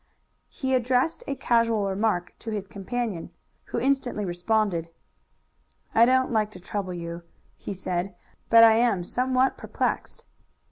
He addressed a casual remark to his companion, who instantly responded. "I don't like to trouble you," he said, "but I am somewhat perplexed."